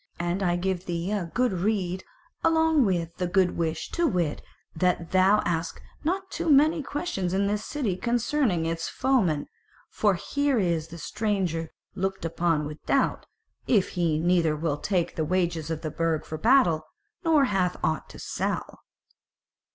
And I give thee a good rede along with the good wish, to wit, that thou ask not too many questions in this city concerning its foemen: for here is the stranger looked upon with doubt, if he neither will take the wages of the Burg for battle, nor hath aught to sell."